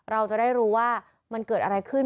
เราจะได้รู้ว่ามันเกิดอะไรขึ้น